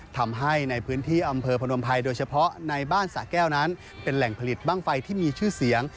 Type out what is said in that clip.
ทำให้ในพื้นที่อำเภอพนมภัยโดยเฉพาะในบ้านสะแก้วนั้นเป็นแหล่งผลิตบ้างไฟที่มีชื่อเสียง